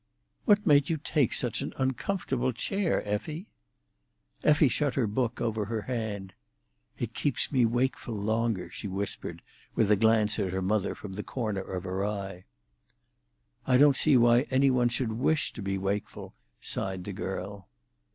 "What made you take such an uncomfortable chair, Effie?" Effie shut her book over her hand. "It keeps me wakeful longer," she whispered, with a glance at her mother from the corner of her eye. "I don't see why any one should wish to be wakeful," sighed the girl.